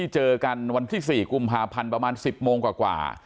เจอกันวันที่๔กุมภาพันธ์ประมาณ๑๐โมงกว่า